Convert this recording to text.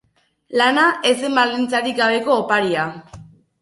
Lana ez zen baldintzarik gabeko oparia.